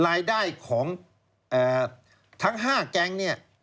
รายได้ของทั้ง๕แกง